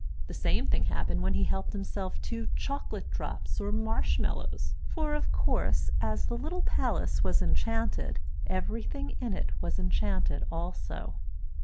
The same thing happened when he helped himself to chocolate drops or marsh mallows, for of course, as the little palace was enchanted, everything in it was enchanted also.